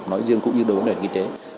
nói riêng cũng như đối với doanh nghiệp kinh tế